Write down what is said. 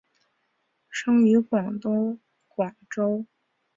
生于广东广州。